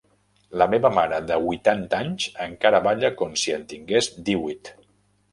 La meva mare de huitanta anys encara balla com si en tingués díhuit.